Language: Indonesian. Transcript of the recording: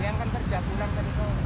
siang kan kerja bulan kan itu